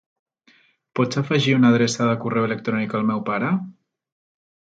Pots afegir una adreça de correu electrònic al meu pare?